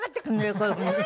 こういうふうに。え！？